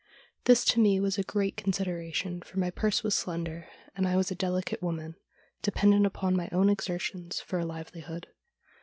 This to me was a great consideration, for my purse was slender, and I was a delicate woman, de pendent upon my own exertions for a livelihood.